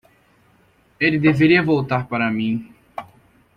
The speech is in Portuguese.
Ele deveria voltar para mim